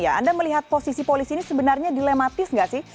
anda melihat posisi polisi ini sebenarnya dilematis tidak